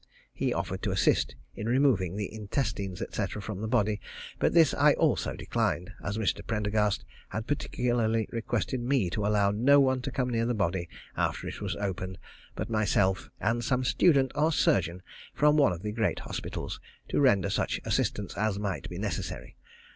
He offered to assist in removing the intestines, &c., from the body, but this I also declined, as Mr. Prendergast had particularly requested me to allow no one to come near the body after it was opened but myself and some student or surgeon from one of the great hospitals, to render such assistance as might be necessary.